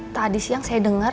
tadi siang saya denger